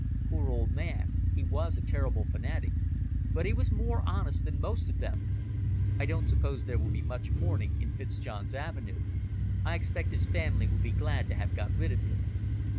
Poor old man! He was a terrible fanatic, but he was more honest than most of them. I don't suppose there will be much mourning in Fitzjohn's Avenue. I expect his family will be glad to have got rid of him."